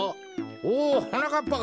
おはなかっぱか。